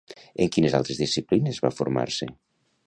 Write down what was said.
En quines altres disciplines va formar-se?